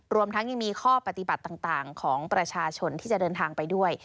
รวมทั้งยังมีข้อปฏิบัติต่างของประชาชนที่จะเดินทางไปด้วย